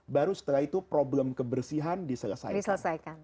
baru setelah itu problem kebersihan diselesaikan